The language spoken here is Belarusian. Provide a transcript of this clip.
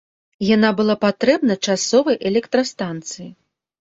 Яна была патрэбна часовай электрастанцыі.